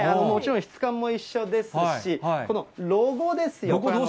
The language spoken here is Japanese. もちろん、質感も一緒ですし、このロゴですよ。